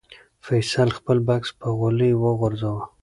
فیصل خپل بکس په غولي وغورځاوه.